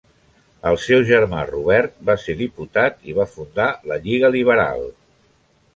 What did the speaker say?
El seu germà, Robert, va ser diputat i va fundar la Lliga Liberal.